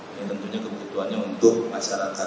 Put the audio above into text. ini tentunya kebutuhannya untuk masyarakat